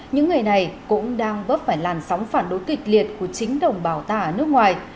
những ngày này cũng đang vấp phải làn sóng phản đối kịch liệt của chính đồng bào ta ở nước ngoài